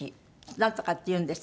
なんとかっていうんです